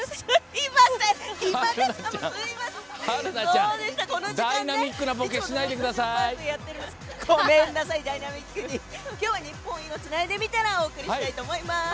今日は「ニッポン『今』つないでみたら」をお送りしたいと思います。